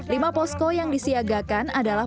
lima posko yang disiagakan adalah